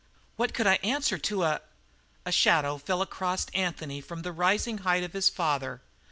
What could I answer to a " A shadow fell across Anthony from the rising height of his father.